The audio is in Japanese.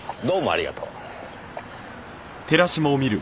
どうもありがとう。